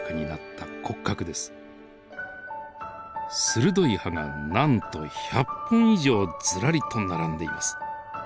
鋭い歯がなんと１００本以上ずらりと並んでいます。